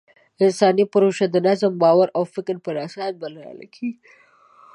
انساني پروژې د نظم، باور او فکر په اساس بریالۍ کېږي.